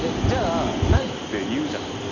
じゃあないって言うじゃん。